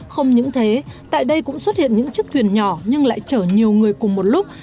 không những thế tại đây cũng xuất hiện những chiếc thuyền nhỏ nhưng lại chở nhiều người cùng một lúc